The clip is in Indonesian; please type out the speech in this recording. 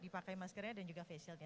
pakai maskernya dan juga face shieldnya